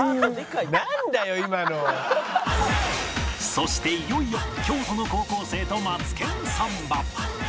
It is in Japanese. そしていよいよ京都の高校生と『マツケンサンバ』